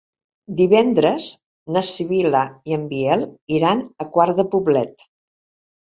Divendres na Sibil·la i en Biel iran a Quart de Poblet.